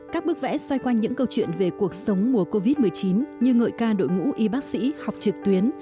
các bức vẽ xoay quanh những câu chuyện về cuộc sống mùa covid một mươi chín như ngợi ca đội ngũ y bác sĩ học trực tuyến